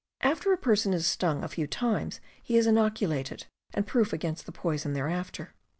After a person is stung a few times he is inoculated, and proof against the poison thereafter.